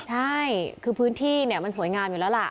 ใช่คือพื้นที่เนี่ยมันสวยงามอยู่แล้วล่ะ